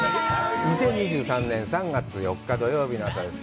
２０２３年３月４日、土曜日の朝です。